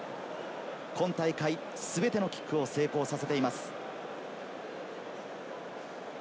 今大会、全てのキックを成功させています。